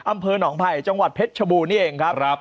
อำเภอหนองไผ่จังหวัดเพชรชบูรณนี่เองครับ